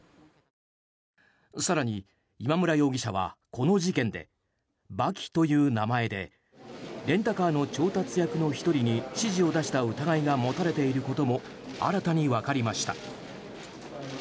更に今村容疑者は、この事件で刃牙という名前でレンタカーの調達役の１人に指示を出した疑いが持たれていることも新たに分かりました。